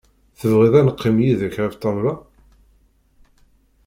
Tebɣiḍ ad neqqim yid-k ɣer ṭabla?